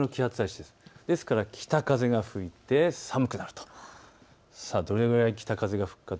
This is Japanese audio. ですから北風が吹いて寒くなると。